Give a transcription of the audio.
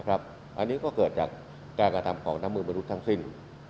อันนี้ก็เกิดจากการกระทำของน้ำมือมนุษย์ทั้งสิ้น